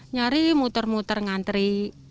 nyari muter muter ngantri